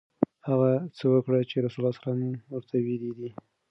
هغه څه وکړه چې رسول الله ورته ویلي دي.